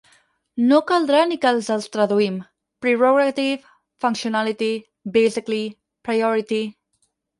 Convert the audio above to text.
No caldrà ni que els els traduïm: “prerogative”, “functionality”, “basically”, “priority”...